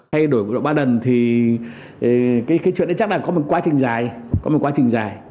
thay đổi nguyên vọng ba lần thì cái chuyện đấy chắc là có một quá trình dài